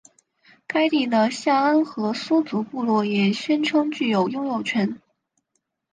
该地的夏安河苏族部落也宣称具有拥有权。